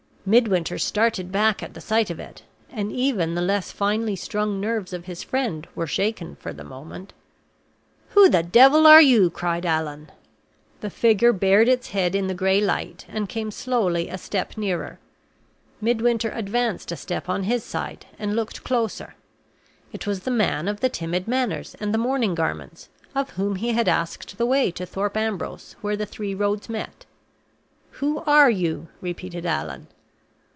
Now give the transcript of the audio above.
Midwinter started back at the sight of it, and even the less finely strung nerves of his friend were shaken for the moment. "Who the devil are you?" cried Allan. The figure bared its head in the gray light, and came slowly a step nearer. Midwinter advanced a step on his side, and looked closer. It was the man of the timid manners and the mourning garments, of whom he had asked the way to Thorpe Ambrose where the three roads met. "Who are you?" repeated Allan.